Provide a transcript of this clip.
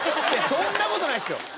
そんなことないですよ。